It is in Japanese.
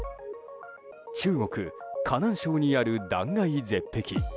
中国・河南省にある断崖絶壁。